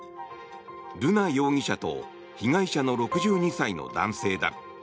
瑠奈容疑者と被害者の６２歳の男性だ。